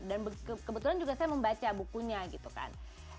dan kebetulan juga saya membaca bukunya gitu kan